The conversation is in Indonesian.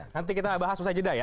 nanti kita bahas usai jeda ya